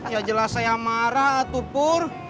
ya jelas saya marah tupur